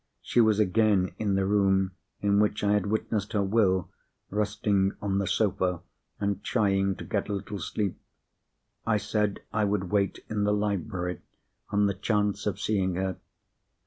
She was again in the room in which I had witnessed her Will, resting on the sofa, and trying to get a little sleep. I said I would wait in the library, on the chance of seeing her.